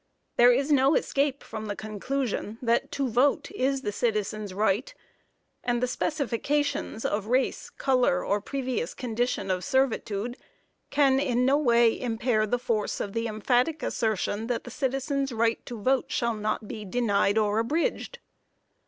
There is no escape from the conclusion, that to vote is the citizen's right, and the specifications of race, color, or previous condition of servitude can, in no way, impair the force of the emphatic assertion, that the citizen's right to vote shall not be denied or abridged.